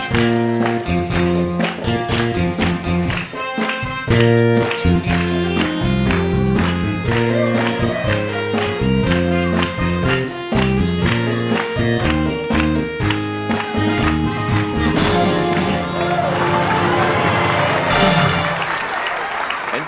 สวัสดีครับ